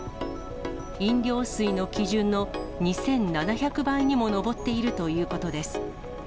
飲料水の基準の２７００倍にも上っているということです。